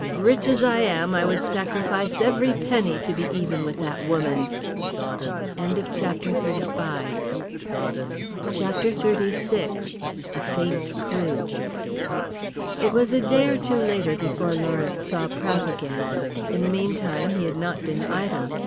Rich as I am I would sacrifice every penny to be even with that woman." CHAPTER XXXVI. A FAINT CLUE. It was a day or two later before Lawrence saw Prout again. In the meantime he had not been idle.